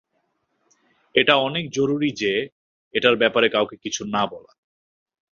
এটা অনেক জরুরি যে এটার ব্যাপারে কাউকে কিছু না বলা।